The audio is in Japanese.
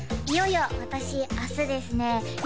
いよいよ私明日ですね